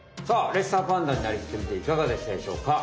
レッサーパンダになりきってみていかがでしたでしょうか？